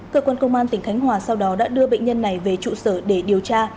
cơ quan công an tỉnh khánh hòa sau đó đã đưa bệnh nhân này về trụ sở để điều tra